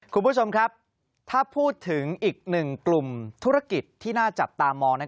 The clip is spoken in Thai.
คุณผู้ชมครับถ้าพูดถึงอีกหนึ่งกลุ่มธุรกิจที่น่าจับตามอง